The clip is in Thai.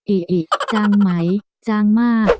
อิอิจางไหมจางมา